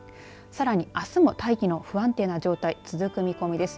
さらに、あすも大気の不安定な状態、続く見込みです。